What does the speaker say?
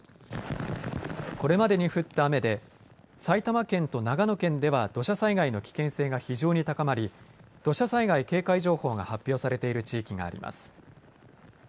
これまでに降った雨で埼玉県と長野県では土砂災害の危険性が非常に高まり土砂災害警戒情報が発表されている地域があります。